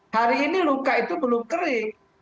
hari ini luka itu belum kering